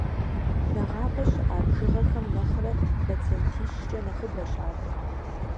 Нэгъабэ щыӏа бжыгъэхэм нэхърэ процентищкӏэ нэхъыбэщ ар.